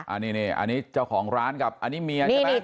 อันนี้อันนี้เจ้าของร้านกับอันนี้เมียใช่ปะ